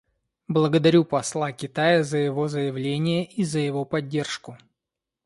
Благодарю посла Китая за его заявление и за его поддержку.